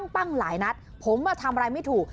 ปั๊งหลายนัดผมทำอะไรไม่ถูก